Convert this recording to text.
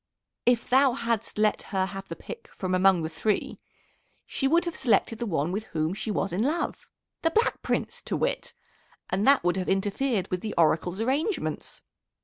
If thou hadst let her have the pick from among the three, she would have selected the one with whom she was in love the Black Prince to wit, and that would have interfered with the Oracle's arrangements.